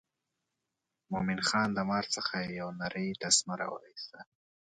مومن خان د مار څخه یو نرۍ تسمه وایستله.